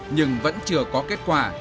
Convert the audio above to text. nhưng vẫn chưa có kết quả